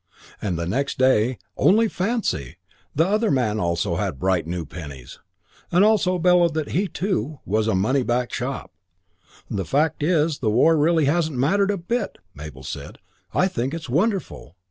And the next day, "Only fancy!" the other man also had bright new pennies (in bursting bags from the bank) and also bellowed that he too was a Money back Shop. "The fact is the war really hasn't mattered a bit," Mabel said. "I think it's wonderful.